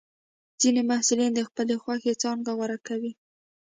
ځینې محصلین د خپلې خوښې څانګه غوره کوي.